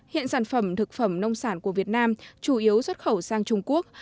hiện sản phẩm thực phẩm nông sản của việt nam chủ yếu xuất khẩu sang trung quốc